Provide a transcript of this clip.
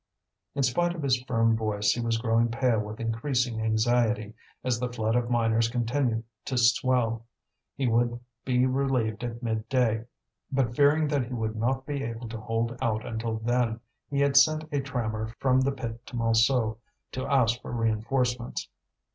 In spite of his firm voice, he was growing pale with increasing anxiety, as the flood of miners continued to swell. He would be relieved at midday; but fearing that he would not be able to hold out until then, he had sent a trammer from the pit to Montsou to ask for reinforcements.